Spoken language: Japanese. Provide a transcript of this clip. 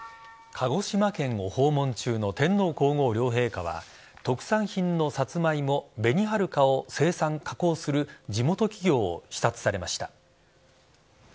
鹿児島県を訪問中の天皇皇后両陛下は特産品のサツマイモ紅はるかを生産・加工する地元企業を視察されました。